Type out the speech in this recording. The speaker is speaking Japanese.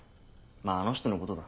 まぁあの人のことだ